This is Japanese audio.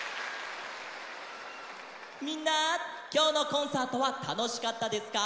みんなきょうのコンサートはたのしかったですか？